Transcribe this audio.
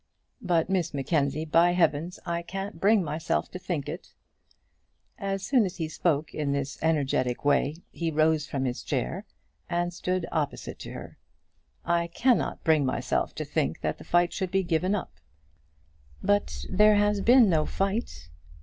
But, Miss Mackenzie, by heavens, I can't bring myself to think it." As he spoke in this energetic way, he rose from his chair, and stood opposite to her. "I cannot bring myself to think that the fight should be given up." "But there has been no fight."